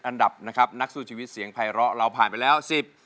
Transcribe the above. อันดับนะครับนักสู้ชีวิตเสียงไพร้อเราผ่านไปแล้วสิบ